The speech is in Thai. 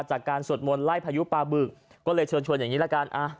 จากการสวดมนต์ไล่พายุปลาบึกก็เลยเชิญชวนอย่างนี้ละกัน